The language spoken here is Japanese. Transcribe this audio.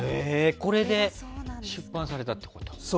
これで出版されたってことか。